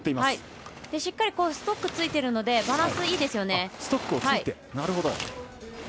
しっかりストックついてるのでバランスいいですよね。